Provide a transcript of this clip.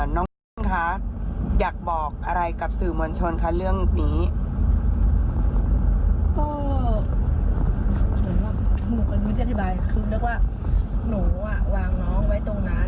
ถ้าเกิดรายละเอียดเยอะคนนี้ก็ถามทางตำรวจเองเลย